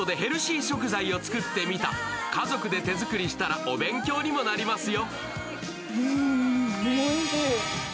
家族で手作りしたお勉強にもなりますよ。